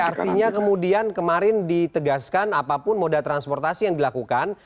artinya kemudian kemarin ditegaskan apapun moda transportasi yang dilakukan